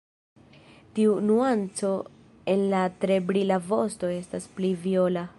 Tiu nuanco en la tre brila vosto estas pli viola.